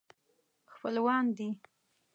خپلوان دي.